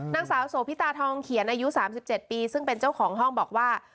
นางสาวโสพิตาทองเขียนอายุ๓๗ปีซึ่งเป็นเจ้าของห้องบอกว่า